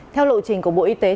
theo lộ trình của bộ y tế